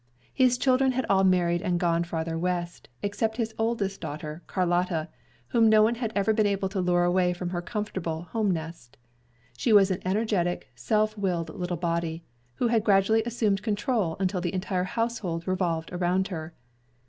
His children had all married and gone farther West, except his oldest daughter, Carlotta, whom no one had ever been able to lure away from her comfortable home nest. She was an energetic, self willed little body, and had gradually assumed control until the entire household revolved around her.